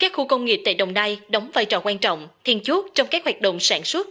các khu công nghiệp tại đồng nai đóng vai trò quan trọng thiên chốt trong các hoạt động sản xuất